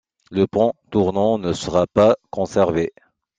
Le pont tournant ne sera pas conservé.